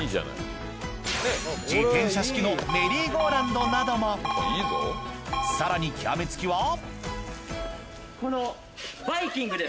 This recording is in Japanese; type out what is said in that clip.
自転車式のメリーゴーラウンドなどもさらに極め付きはこの。